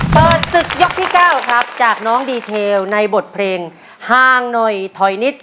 เปิดศึกยกที่๙ครับจากน้องดีเทลในบทเพลงห่างหน่อยถอยนิด